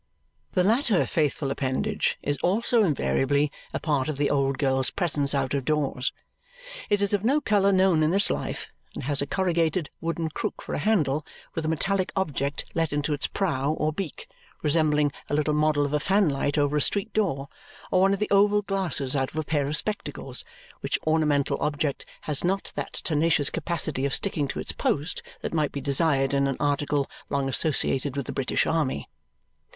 The latter faithful appendage is also invariably a part of the old girl's presence out of doors. It is of no colour known in this life and has a corrugated wooden crook for a handle, with a metallic object let into its prow, or beak, resembling a little model of a fanlight over a street door or one of the oval glasses out of a pair of spectacles, which ornamental object has not that tenacious capacity of sticking to its post that might be desired in an article long associated with the British army.